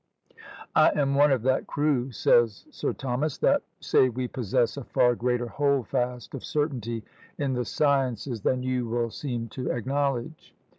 "I am one of that crew," says Sir Thomas, "that say we possess a far greater holdfast of certainty in the sciences than you will seem to acknowledge."